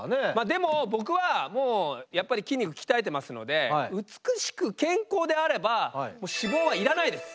でも僕はやっぱり筋肉鍛えてますので美しく健康であればもう脂肪はいらないです。